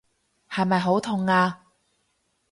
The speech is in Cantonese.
係咪好痛啊？